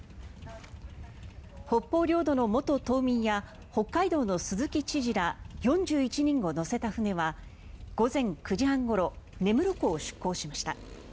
北方領土の元島民や北海道の鈴木知事ら４１人を乗せた船は午前９時半ごろ根室港を出港しました。